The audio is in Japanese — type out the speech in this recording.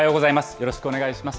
よろしくお願いします。